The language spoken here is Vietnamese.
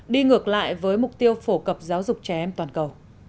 đi ngược lại với mục tiêu phổ cập giáo dục trẻ em toàn cầu